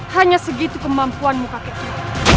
hanya segitu kemampuanmu kakek guru